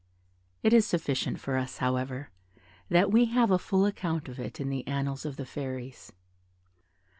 It is sufficient for us, however, that we have a full account of it in the annals of the Fairies.